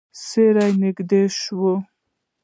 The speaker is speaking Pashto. سیوری ورنږدې شو.